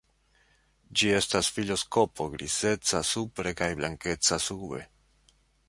Ĝi estas filoskopo grizeca supre kaj blankeca sube.